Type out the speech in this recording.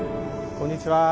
こんにちは。